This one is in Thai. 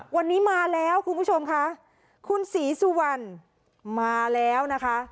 วันนี้มาแล้วคุณผู้ชมค่ะคุณศรีสุวรรณมาแล้วนะคะ